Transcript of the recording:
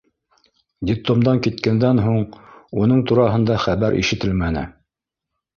Детдомдан киткәндән һуң уның тураһында хәбәр ишетелмәне.